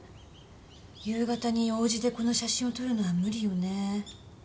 夕方に王子でこの写真を撮るのは無理よね。